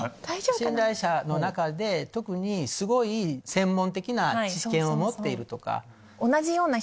信頼者の中で特にすごい専門的な知見を持っているとか。